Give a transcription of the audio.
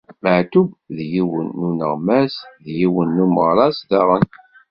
Meεtub d yiwen n uneɣmas, d yiwen n umeɣras daɣen.